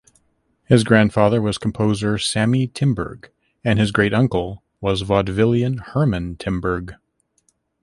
His grandfather was composer Sammy Timberg and his great uncle was vaudevillian Herman Timberg.